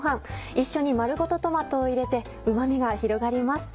一緒に丸ごとトマトを入れてうま味が広がります。